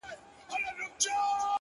اوس له نړۍ څخه خپه يمه زه’